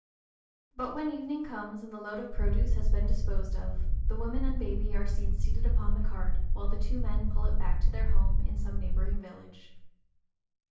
But when evening comes, and the load of produce has been disposed of, the woman and baby are seen seated upon the cart, while the two men pull it back to their home in some neighboring village.